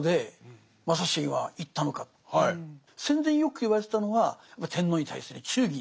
戦前よく言われてたのは天皇に対する忠義であるという。